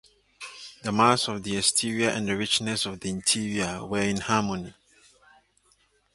The mass of the exterior and the richness of the interior were in harmony.